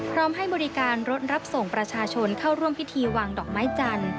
ให้บริการรถรับส่งประชาชนเข้าร่วมพิธีวางดอกไม้จันทร์